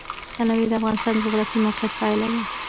تنوع د افغانستان د جغرافیایي موقیعت پایله ده.